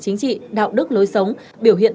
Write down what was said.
chính trị đạo đức lối sống biểu hiện